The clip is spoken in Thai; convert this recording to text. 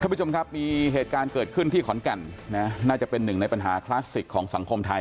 ผู้ชมครับมีเหตุการณ์เกิดขึ้นที่ขอนแก่นนะน่าจะเป็นหนึ่งในปัญหาคลาสสิกของสังคมไทย